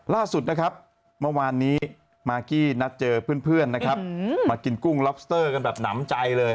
ล่าสุดนะครับเมื่อวานนี้มากกี้นัดเจอเพื่อนนะครับมากินกุ้งล็อบสเตอร์กันแบบหนำใจเลย